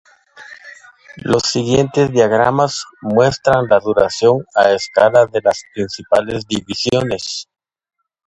Los siguientes diagramas muestran la duración a escala de las principales divisiones.